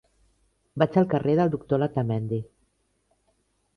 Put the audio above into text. Vaig al carrer del Doctor Letamendi.